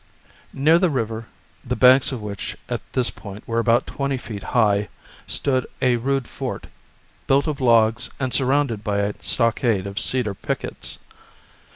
Near the river, the banks of which at this point were about twenty feet high, stood a rude fort, built of logs and surrounded by a stockade of cedar pickets.